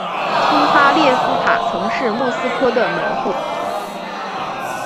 苏哈列夫塔曾是莫斯科的门户。